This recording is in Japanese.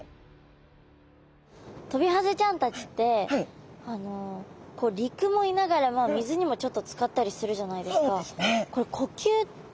トビハゼちゃんたちって陸もいながら水にもちょっとつかったりするじゃないですか。